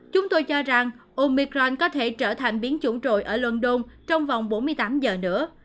chúng tôi cho rằng omicron có thể trở thành biến chủng ở london trong vòng bốn mươi tám giờ nữa